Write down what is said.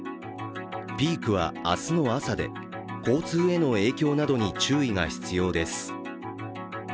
ピークは明日の朝で交通への影響などに注意が必要です。